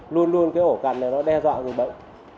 luôn luôn cái ổ cạn này nó đe dọa người bệnh